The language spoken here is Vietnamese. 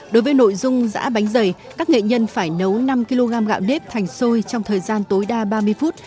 đối với nội dung dạ bánh dày các nghệ nhân phải nấu năm kg gạo nếp thành xôi trong thời gian tối đa ba mươi phút